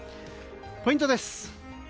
ポイントです。